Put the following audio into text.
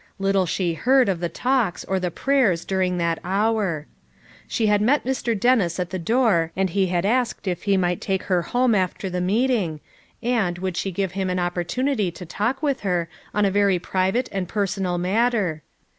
Little she heard of the talks or the prayers during that hour. She had met Mr. Dennis at the door and he had asked if he might take her home after the meeting and, would she give him an opportunity to talk with m mint motmmmn am 1 uiiautauqua hor on a vary privato and ponunuil mnttor?